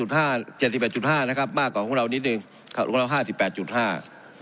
๗๗๕๗๘๕นะครับมากกว่าของเรานิดนึงครับของเรา๕๘๕